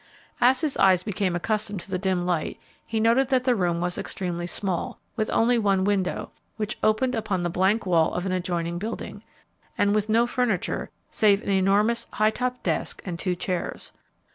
As his eyes became accustomed to the dim light he noted that the room was extremely small, with only one window, which opened upon the blank wall of an adjoining building, and with no furniture, save an enormous, high top desk and two chairs.